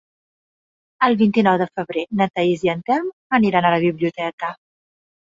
El vint-i-nou de febrer na Thaís i en Telm aniran a la biblioteca.